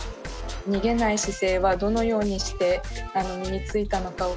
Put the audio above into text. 逃げない姿勢はどのようにして身についたのかを。